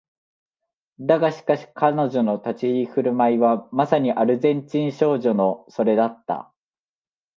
だがしかし彼女の立ち居振る舞いはまさにアルゼンチン人少女のそれだった